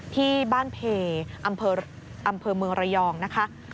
ที่บ้านเพอำเภอเมืองระยองนะคะ